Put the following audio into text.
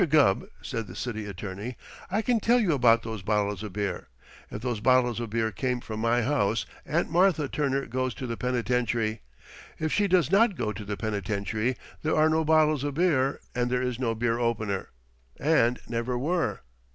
Gubb," said the City Attorney, "I can tell you about those bottles of beer. If those bottles of beer came from my house Aunt Martha Turner goes to the penitentiary. If she does not go to the penitentiary, there are no bottles of beer and there is no beer opener. And never were!"